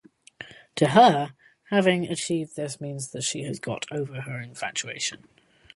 To her, having achieved this means that she has got over her infatuation.